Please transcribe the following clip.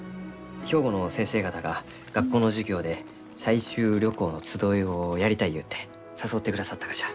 兵庫の先生方が学校の授業で採集旅行の集いをやりたいゆうて誘ってくださったがじゃ。